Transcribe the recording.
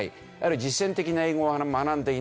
実践的な英語を学んでいない。